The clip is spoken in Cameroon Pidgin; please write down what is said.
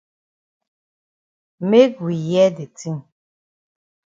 Make we hear de tin.